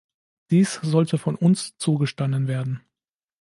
Dies sollte von uns zugestanden werden.